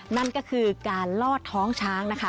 นั่นก็คือการลอดท้องช้างนะคะ